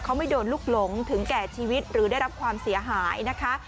เขาไม่โดนลูกหลงถึงแก่ชีวิตหรือได้รับความเสียหายนะคะ